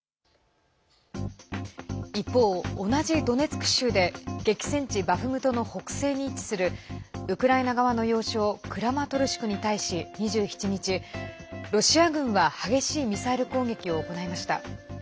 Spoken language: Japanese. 一方、同じドネツク州で激戦地バフムトの北西に位置するウクライナ側の要衝クラマトルシクに対し、２７日ロシア軍は激しいミサイル攻撃を行いました。